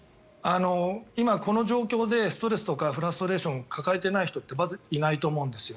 今、この状況でストレスとかフラストレーションを抱えていない人ってまずいないと思うんですよ。